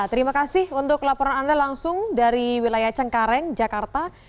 terima kasih untuk laporan anda langsung dari wilayah cengkareng jakarta